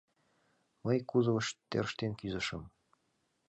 Мый кузовыш тӧрштен кӱзышым.